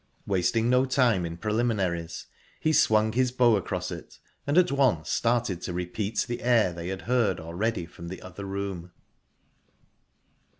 Wasting no time in preliminaries, he swung his bow across it, and at once started to repeat the air they had heard already from the other room.